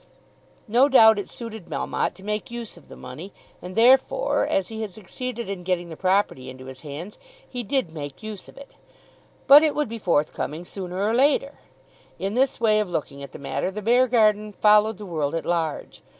No doubt it suited Melmotte to make use of the money, and therefore, as he had succeeded in getting the property into his hands, he did make use of it. But it would be forthcoming sooner or later! In this way of looking at the matter the Beargarden followed the world at large.